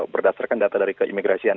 berdasarkan data dari keimigrasian